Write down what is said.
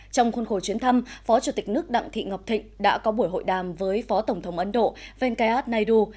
trong khuôn khổ chuyến thăm phó chủ tịch nước đặng thị ngọc thịnh đã có buổi hội đàm với phó tổng thống ấn độ venkayad naidu